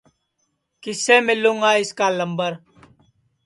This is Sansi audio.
کِسے مِلوں گا اِس کا لمبر